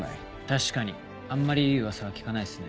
確かにあんまりいい噂は聞かないっすね。